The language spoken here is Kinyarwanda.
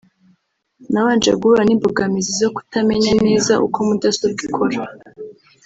Nabanje guhura n’imbogamizi zo kutamenya neza uko mudasobwa ikora